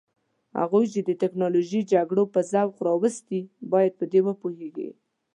هغوی چې د تکنالوژیکي جګړو په ذوق راوستي باید په دې وپوهیږي.